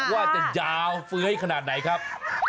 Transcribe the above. เมื่อยขนาดไหนครับ